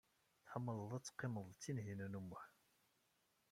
Tḥemmleḍ ad teqqimeḍ d Tinhinan u Muḥ?